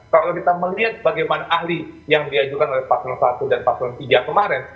kalau kita melihat bagaimana ahli yang diajukan oleh paslon satu dan paslon tiga kemarin